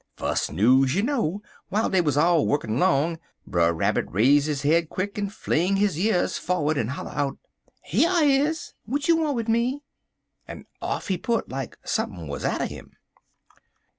Fus' news you know, w'ile dey wuz all wukkin' long, Brer Rabbit raise his head quick en fling his years forerd en holler out: "'Here I is. W'at you want wid me?' en off he put like sump'n wuz atter 'im.